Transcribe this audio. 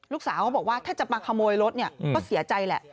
เขาบอกว่าถ้าจะมาขโมยรถเนี่ยก็เสียใจแหละ